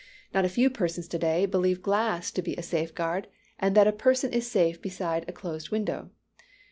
Not a few persons to day believe glass to be a safeguard, and that a person is safe beside a closed window.